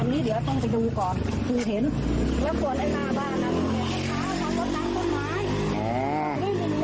อันนี้เดี๋ยวต้องไปดูก่อนคือเห็นแล้วคนไอ้หน้าบ้านนั้น